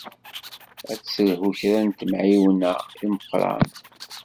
Ad s-telhu kra n temεiwna i Meqqran.